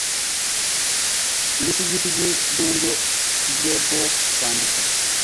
Ibisigisigi byuburyo bwe bwo kwandika